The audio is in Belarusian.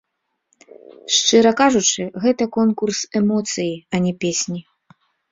Шчыра кажучы, гэта конкурс эмоцыі, а не песні.